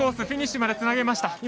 フィニッシュまでつなげました。